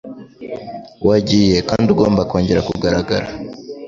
Wagiye kandi ugomba kongera kugaragara